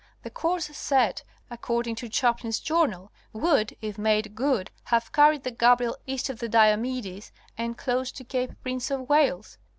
The course set, according to Chaplin's journal, would, if made good, have carried the Gabriel east of the Diomedes and close to Cape Prince of Wales.